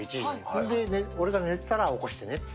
それで俺が寝てたら起こしてねって。